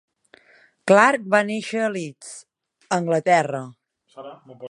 Clark va néixer a Leeds, Anglaterra.